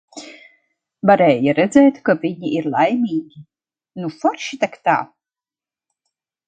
Varēja redzēt, ka viņi laimīgi. Nu forši tak tā.